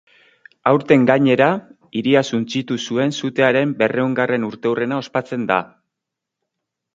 Aurten gainera, hiria suntsitu zuen sutearen berrehungarren urteurrena ospatzen da.